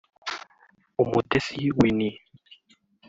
Umutesi Winnie